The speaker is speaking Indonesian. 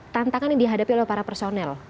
tantangan yang dihadapi oleh para personel